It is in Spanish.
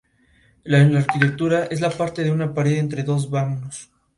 En la arquitectura, es la parte de una pared entre dos vanos.